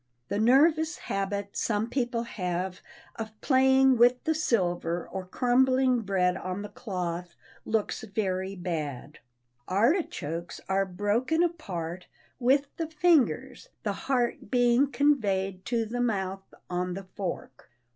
The nervous habit some people have of playing with the silver or crumbling bread on the cloth looks very bad. Artichokes are broken apart with the fingers, the heart being conveyed to the mouth on the fork.